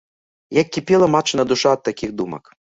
Як кіпела матчына душа ад такіх думак.